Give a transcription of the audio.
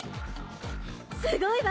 すごいわ！